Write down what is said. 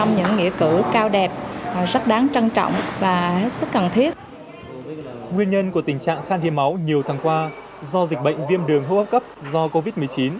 nguyên nhân của tình trạng khan hiếm máu nhiều tháng qua do dịch bệnh viêm đường hô hấp cấp do covid một mươi chín